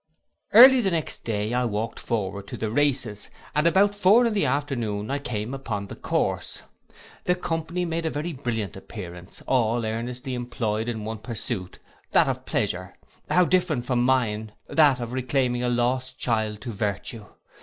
Early the next day I walked forward to the races, and about four in the afternoon I came upon the course. The company made a very brilliant appearance, all earnestly employed in one pursuit, that of pleasure; how different from mine, that of reclaiming a lost child to virtue!